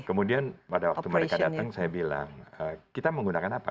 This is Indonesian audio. kemudian pada waktu mereka datang saya bilang kita menggunakan apa